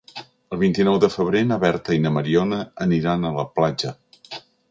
El vint-i-nou de febrer na Berta i na Mariona aniran a la platja.